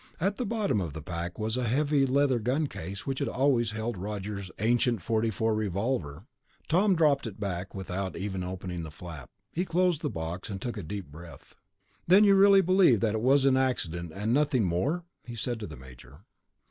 At the bottom of the pack was the heavy leather gun case which had always held Roger Hunter's ancient .44 revolver. Tom dropped it back without even opening the flap. He closed the box and took a deep breath. "Then you really believe that it was an accident and nothing more?" he said to the major.